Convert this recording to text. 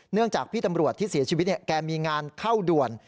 จากพี่ตำรวจที่เสียชีวิตแกมีงานเข้าด่วน